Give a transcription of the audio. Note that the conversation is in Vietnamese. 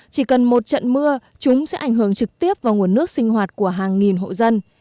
chỉ cần một trận mưa chúng sẽ ảnh hưởng trực tiếp vào nguồn nước sinh hoạt của hàng nghìn hộ dân